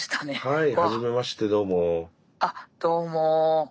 はい。